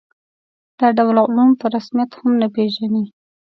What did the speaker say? دا ډول علوم په رسمیت هم نه پېژني.